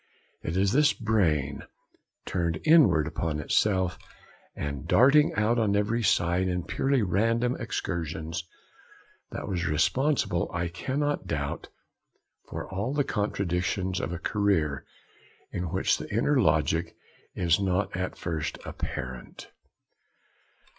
It is this brain, turned inward upon itself, and darting out on every side in purely random excursions, that was responsible, I cannot doubt, for all the contradictions of a career in which the inner logic is not at first apparent.